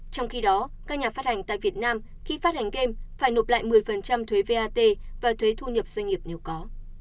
trong khi đó các nhà phát hành tại việt nam khi phát hành game phải nộp lại một mươi thuế vat và thuế thu nhập doanh nghiệp nếu có